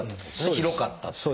広かったっていう。